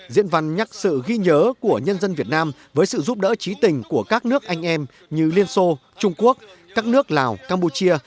diễn văn nhắc sự ghi nhớ của nhân dân việt nam với sự giúp đỡ trí tình của các nước anh em như liên xô trung quốc các nước lào campuchia